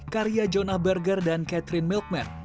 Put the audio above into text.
karya jonah berger dan catherine milkman